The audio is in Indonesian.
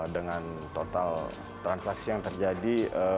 dengan total transaksi yang terjadi